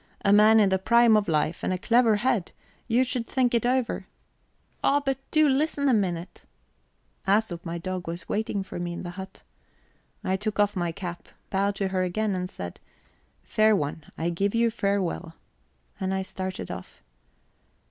A man in the prime of life, and a clever head you should think it over." "Oh, but do listen a minute ..." Æsop, my dog, was waiting for me in the hut. I took off my cap, bowed to her again, and said: "Fair one, I give you farewell." And I started off.